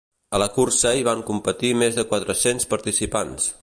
A la cursa hi van competir més de quatre-cents participants.